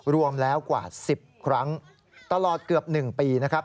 รวมแล้วกว่า๑๐ครั้งตลอดเกือบ๑ปีนะครับ